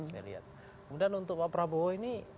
kemudian untuk pak prabowo ini